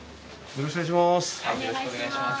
よろしくお願いします。